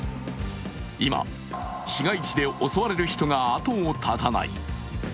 今、市街地で襲われる人が後を絶たない。